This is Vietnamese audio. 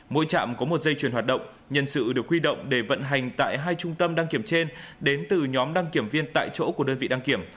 mỗi trạm có một dây chuyển hoạt động nhân sự được huy động để vận hành tại hai trung tâm đăng kiểm trên đến từ nhóm đăng kiểm viên tại chỗ của đơn vị đăng kiểm